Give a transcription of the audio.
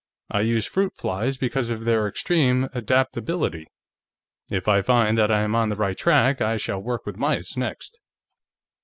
I use fruit flies because of their extreme adaptability. If I find that I am on the right track, I shall work with mice, next."